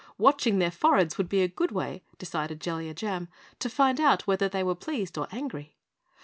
Watching their foreheads would be a good way, decided Jellia Jam, to find out whether they were pleased or angry.